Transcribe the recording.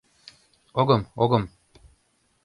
— Огым-огым...